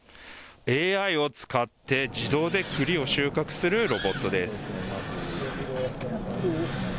ＡＩを使って自動でくりを収穫するロボットです。